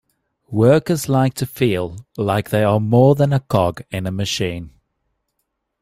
Workers like to feel like they are more than a cog in a machine.